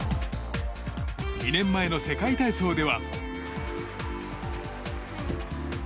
２年前の世界体操では。